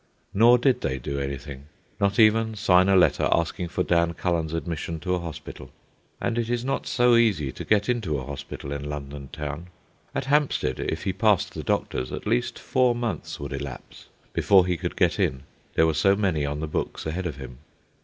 Nor did they do anything, not even sign a letter asking for Dan Cullen's admission to a hospital. And it is not so easy to get into a hospital in London Town. At Hampstead, if he passed the doctors, at least four months would elapse before he could get in, there were so many on the books ahead of him.